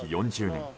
４０年